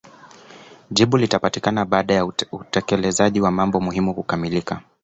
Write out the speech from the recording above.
Jibu litapatikana baada ya utekelezaji wa mambo muhimu kukamilka